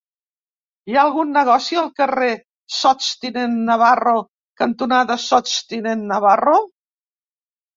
Hi ha algun negoci al carrer Sots tinent Navarro cantonada Sots tinent Navarro?